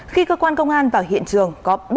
khi cơ quan công an vào hiện trường